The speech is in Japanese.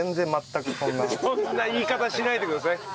そんな言い方しないでください。